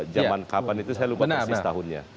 zaman kapan itu saya lupa persis tahunnya